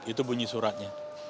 itu bunyi suratnya